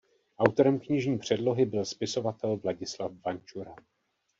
Autorem knižní předlohy byl spisovatel Vladislav Vančura.